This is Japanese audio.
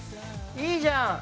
いいじゃん。